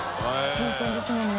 新鮮ですもんね。